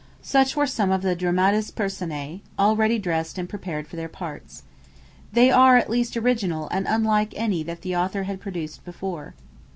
Such were some of the dramatis personae, ready dressed and prepared for their parts. They are at least original and unlike any that the author had produced before.